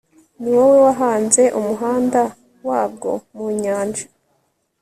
ni wowe wahanze umuhanda wabwo mu nyanja